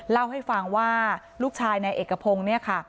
เล่าให้ฟังว่าลูกชายในเอกพงนี่ค่ะ